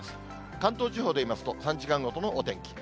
関東地方で言いますと、３時間ごとのお天気。